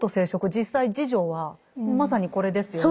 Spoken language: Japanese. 実際侍女はまさにこれですよね。